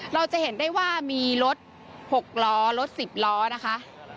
เราจะเห็นได้ว่ามีรถ๖ล้อรถ๑๐ล้อนะคะ